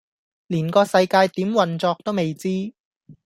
連個世界點運作都未知